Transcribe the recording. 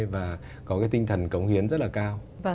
và có cái tinh thần cống hiến rất là cao